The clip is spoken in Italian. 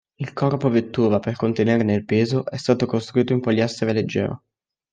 Il corpo vettura, per contenerne il peso, è stato costruito in poliestere leggero.